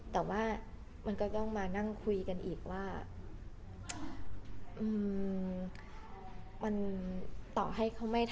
แต่ว่ามันก็ต้องมานั่งคุยกันอีกว่า